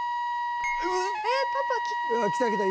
えっ？パパ来た。